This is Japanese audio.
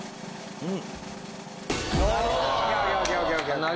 うん？